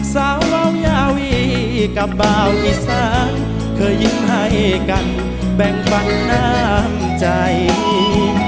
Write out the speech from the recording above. สาวเรายาวีกับบ่าวอีสานเคยยิ้มให้กันแบ่งปันน้ำใจ